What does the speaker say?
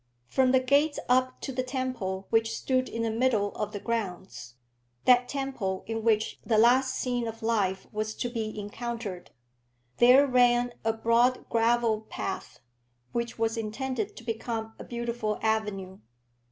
From the gates up to the temple which stood in the middle of the grounds, that temple in which the last scene of life was to be encountered, there ran a broad gravel path, which was intended to become a beautiful avenue.